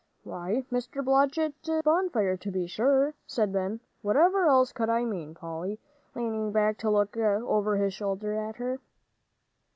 "Why, Mr. Blodgett's bonfire, to be sure," said Ben. "Whatever else could I mean, Polly?" leaning back to look over his shoulder at her.